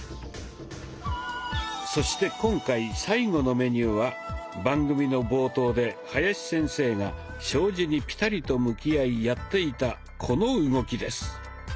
そして今回最後のメニューは番組の冒頭で林先生が障子にピタリと向き合いやっていたこの動きです。